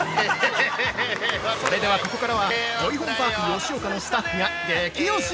◆それでは、ここからはジョイホンパーク吉岡のスタッフが激推し！